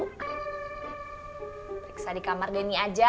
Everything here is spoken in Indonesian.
periksa di kamar gani aja